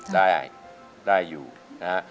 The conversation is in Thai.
ได้ได้อยู่นะฮะ